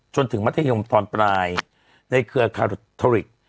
จนถึงมัธยมตอนปลายในเครือคาทอริก